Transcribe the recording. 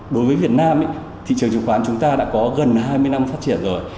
đối với việt nam thị trường chứng khoán chúng ta đã có gần hai mươi năm phát triển rồi